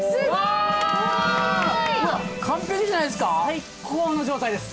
最高の状態です